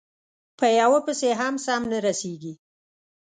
په یوه پسې هم سم نه رسېږي،